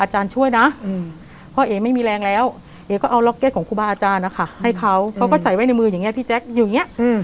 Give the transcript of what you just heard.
หึหึหึหึหึหึ